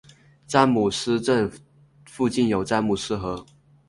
詹姆斯镇附近有詹姆斯河。